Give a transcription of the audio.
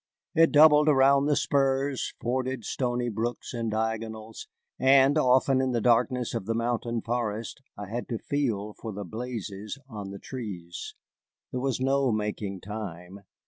It doubled around the spurs, forded stony brooks in diagonals, and often in the darkness of the mountain forest I had to feel for the blazes on the trees. There was no making time.